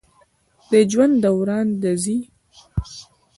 د ژوند دوران د زی